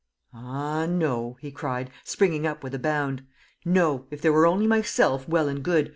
"Ah, no!" he cried, springing up with a bound. "No! If there were only myself, well and good!